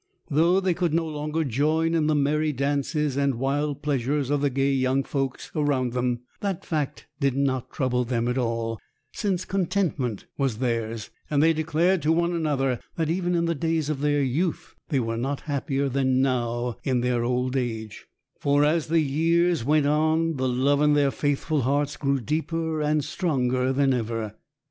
Though they could no longer join in the merry dances and wild pleasures of the gay young folks around them, that fact did not trouble them at all, since contentment was theirs; and they declared to one another that even in the days of their youth they were not happier than now in their old age, for, as the years went on, the love in their faithful hearts grew deeper and stronger than ever.